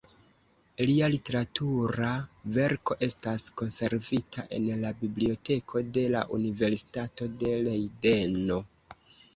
Lia literatura verko estas konservita en la Biblioteko de la Universitato de Lejdeno.